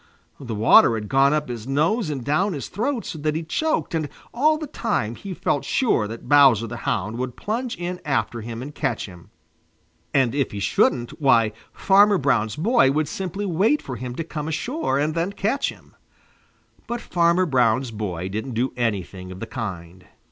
The water had gone up his nose and down his throat so that he choked, and all the time he felt sure that Bowser the Hound would plunge in after him and catch him. And if he shouldn't, why Farmer Brown's Boy would simply wait for him to come ashore and then catch him. But Farmer Brown's boy didn't do anything of the kind.